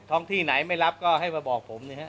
เนื่องจากว่าอยู่ระหว่างการรวมพญาหลักฐานนั่นเองครับ